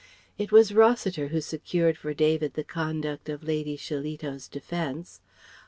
It was Rossiter who secured for David the conduct of Lady Shillito's defence.